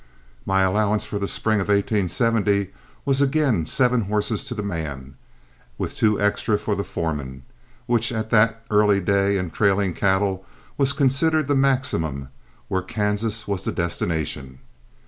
My allowance for the spring of 1870 was again seven horses to the man, with two extra for the foreman, which at that early day in trailing cattle was considered the maximum where Kansas was the destination.